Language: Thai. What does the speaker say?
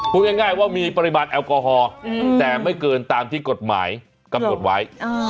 พูดง่ายว่ามีปริมาณแอลกอฮอล์แต่ไม่เกินตามที่กฎหมายกำหนดไว้